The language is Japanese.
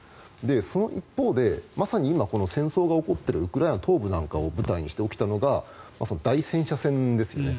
その一方で、今まさに戦争が起こっているウクライナ東部なんかを舞台にして起きたのが大戦車戦ですよね。